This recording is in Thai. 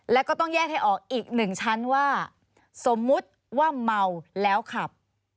แล้วก็ต้องแยกให้ออกอีกหนึ่งชั้นว่าสมมุติว่าเมาแล้วขับ